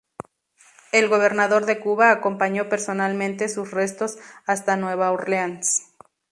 El gobernador de Cuba acompañó personalmente sus restos hasta Nueva Orleans.